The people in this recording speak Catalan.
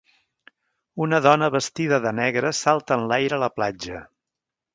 una dona vestida de negre salta enlaire a la platja.